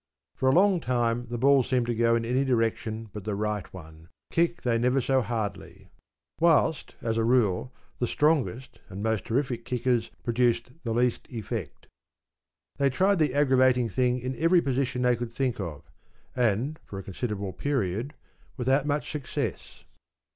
’ For a long time the ball seemed to go in any direction but the right one, kick they never so hardly; whilst, as a rule, the strongest and most terrific kickers produced the least effect. They tried the aggravating thing in every position they could think of, and, for a considerable period, without much success.